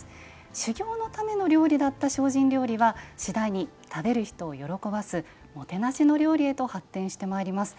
修行のためだった精進料理は次第に食べる人を喜ばすもてなしの料理へと発展してまいります。